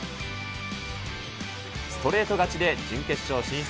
ストレート勝ちで準決勝進出。